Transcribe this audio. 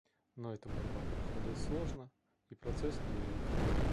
Но эта борьба проходит сложно, и прогресс невелик.